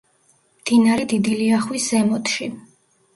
მდინარე დიდი ლიახვის ზემოთში.